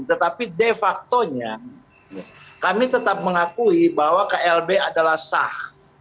tetapi de factonya kami tetap mengakui bahwa klb adalah sah